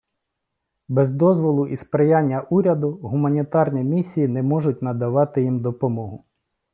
Без дозволу і сприяння уряду гуманітарні місії не можуть надавати їм допомогу.